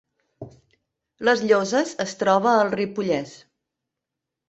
Les Lloses es troba al Ripollès